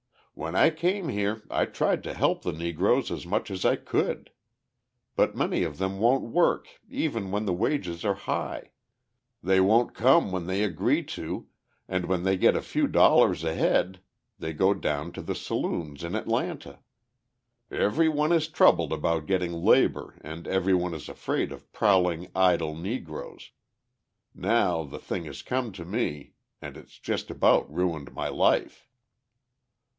When I came here, I tried to help the Negroes as much as I could. But many of them won't work even when the wages are high: they won't come when they agree to and when they get a few dollars ahead they go down to the saloons in Atlanta. Everyone is troubled about getting labour and everyone is afraid of prowling idle Negroes. Now, the thing has come to me, and it's just about ruined my life."